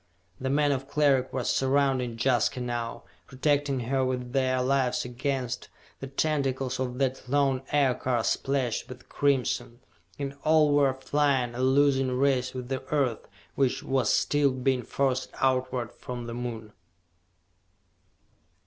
The men of Cleric were surrounding Jaska now, protecting her with their lives against the tentacles of that lone Aircar splashed with crimson and all were flying a losing race with the Earth, which was still being forced outward from the Moon!